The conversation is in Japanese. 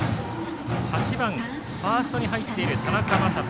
８番ファーストに入っている田中聖人。